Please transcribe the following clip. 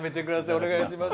お願いします。